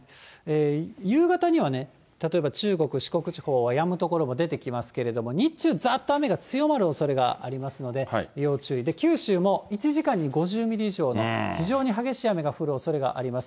夕方には、例えば中国、四国地方はやむ所も出てきますけれども、日中、ざっと雨が強まるおそれがありますので、要注意で、九州も１時間に５０ミリ以上の非常に激しい雨が降るおそれがあります。